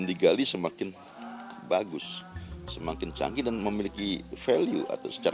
bagi mereka warisan tanah leluhur